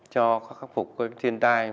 cho khắc phục thiên tai